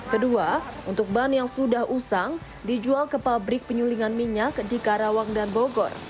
kedua untuk ban yang sudah usang dijual ke pabrik penyulingan minyak di karawang dan bogor